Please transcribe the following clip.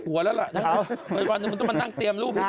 อันแรกสิรุ